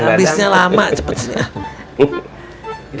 iya abisnya lama cepet cepetnya